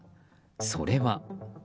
それは。